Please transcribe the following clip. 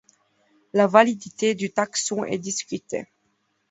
La validité du taxon est discutée.